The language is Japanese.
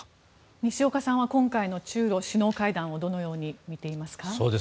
西岡さんは今回の中ロ首脳会談をどのように見ていますか？